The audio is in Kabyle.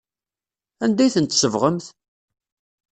Anda ay ten-tsebɣemt?